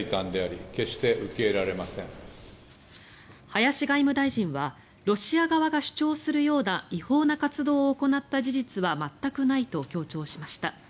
林外務大臣はロシア側が主張するような違法な活動を行った事実は全くないと強調しました。